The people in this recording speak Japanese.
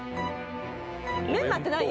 メンマってない？